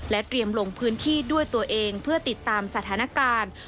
เตรียมลงพื้นที่ด้วยตัวเองเพื่อติดตามสถานการณ์